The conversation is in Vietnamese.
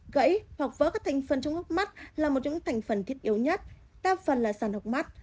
gãy hoặc vỡ các thành phần trong hốc mắt là một trong những thành phần thiết yếu nhất đa phần là sản học mắt